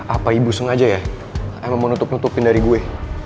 apa ibu sengaja ya emang menutup nutupin dari gue